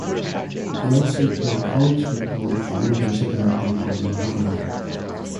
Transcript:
Rossi played college football at the Universidad de Guadalajara.